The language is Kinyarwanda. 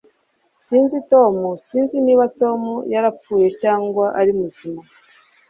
Sinzi Tom Sinzi niba Tom yarapfuye cyangwa ari muzima